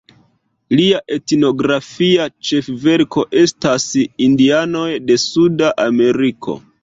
Lia etnografia ĉefverko estas Indianoj de Suda Ameriko.